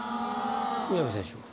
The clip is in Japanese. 宮部選手は？